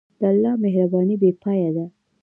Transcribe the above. د الله مهرباني بېپایه ده.